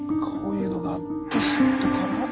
こういうのがあって嫉妬から。